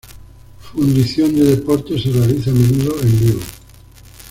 Fundición de Deportes se realiza a menudo en vivo.